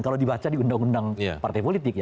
kalau dibaca di undang undang partai politik